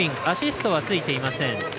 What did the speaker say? アシストはついていません。